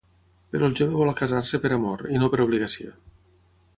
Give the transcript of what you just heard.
Però el jove vol casar-se per amor i no per obligació.